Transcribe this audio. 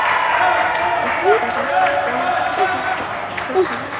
কিন্তু তারা সকলে তাতে ব্যর্থ হলো।